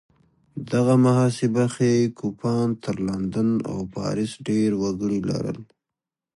دغه محاسبه ښيي کوپان تر لندن او پاریس ډېر وګړي لرل